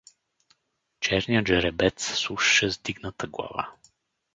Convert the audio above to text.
Черният жребец слушаше с дигната глава.